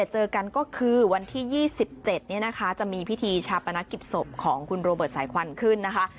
เจอกันก็คือวันที่๒๗จะมีพิธีชาปนกิจศพของคุณโรเบิร์ตสายควันขึ้นนะคะ